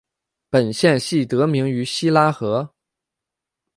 本县系得名于希拉河。